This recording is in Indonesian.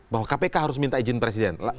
bahwa kpk harus minta izin presiden